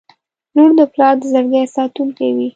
• لور د پلار د زړګي ساتونکې وي.